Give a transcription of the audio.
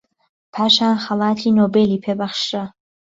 پاشان خەڵاتی نۆبێلی پێ بەخشرا